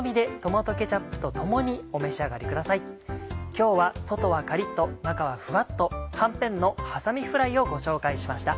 今日は外はカリっと中はふわっと「はんぺんのはさみフライ」をご紹介しました。